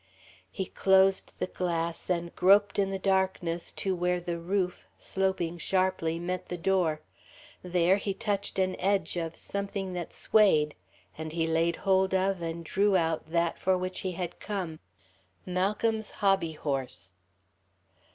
He closed the glass, and groped in the darkness to where the roof, sloping sharply, met the door. There he touched an edge of something that swayed, and he laid hold of and drew out that for which he had come: Malcolm's hobbyhorse.